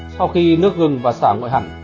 sau khi nước gừng và sả nguội hẳn